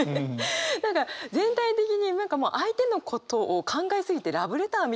何か全体的に相手のことを考え過ぎてラブレターみたいに。